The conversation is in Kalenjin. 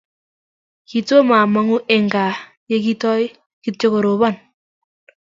Kitoma amangu eng gaa ye kitoi kityo koropan